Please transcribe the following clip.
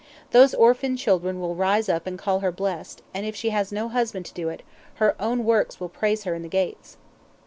Those orphan children will rise up and call her blessed, and if she has no husband to do it, her own works will praise her in the gates."